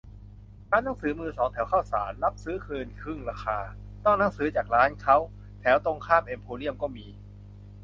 ร้านหนังสือมือสองแถวข้าวสาร รับซื้อคืนครึ่งราคา ต้องหนังสือจากร้านเค้า แถวตรงข้ามเอ็มโพเรียมก็มี